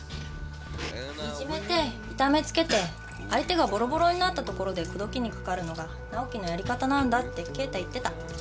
「いじめて痛めつけて相手がボロボロになったところで口説きにかかるのが直季のやり方なんだ」って敬太言ってた。